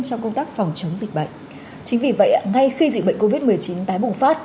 trong công tác phòng chống dịch bệnh chính vì vậy ngay khi dịch bệnh covid một mươi chín tái bùng phát